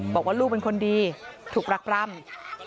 บอกว่าลูกเป็นคนดีถูกรักร่ำ